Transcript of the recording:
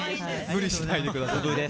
無理しないでください。